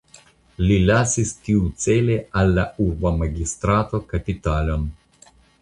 Li lasis tiucele al la urba magistrato kapitalon.